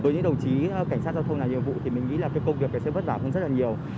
với những đồng chí cảnh sát giao thông này nhiệm vụ thì mình nghĩ là cái công việc sẽ vất vả rất là nhiều